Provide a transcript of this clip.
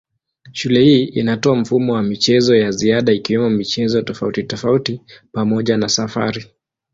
Shule hii inatoa mfumo wa michezo ya ziada ikiwemo michezo tofautitofauti pamoja na safari.